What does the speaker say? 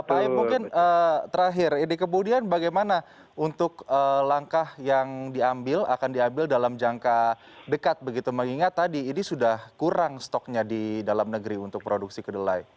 pak aib mungkin terakhir ini kemudian bagaimana untuk langkah yang diambil akan diambil dalam jangka dekat begitu mengingat tadi ini sudah kurang stoknya di dalam negeri untuk produksi kedelai